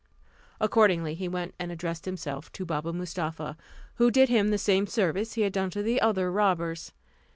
Accordingly, he went and addressed himself to Baba Mustapha, who did him the same service he had done to the other robbers.